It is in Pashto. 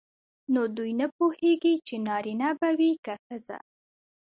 نو دوی نه پوهیږي چې نارینه به وي که ښځه.